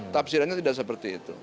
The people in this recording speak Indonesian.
tapsirannya tidak seperti itu